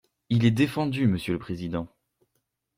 Il est défendu, monsieur le Président.